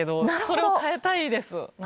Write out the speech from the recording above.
それを変えたいです。